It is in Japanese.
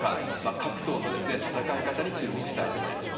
各党の戦い方に注目したいと思います。